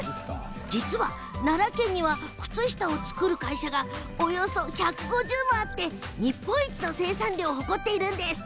実は奈良県には靴下を作る会社がおよそ１５０もあって日本一の生産量を誇っています。